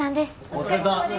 お疲れさまです。